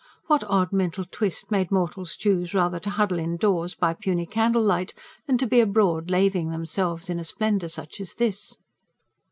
What odd mental twist made mortals choose rather to huddle indoors, by puny candle light, than to be abroad laving themselves in a splendour such as this?